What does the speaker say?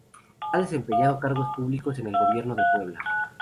Ha desempeñado cargos públicos en el Gobierno de Puebla.